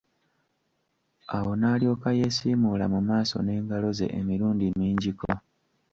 Awo nalyoka yeesiimuula mu maaso n'engalo ze emirundi mingiko.